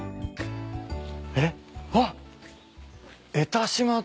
えっ？